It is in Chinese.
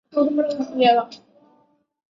其位置即为现今的自治领剧院。